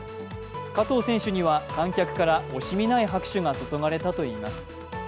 加藤選手には観客から惜しみない拍手が注がれたといいます。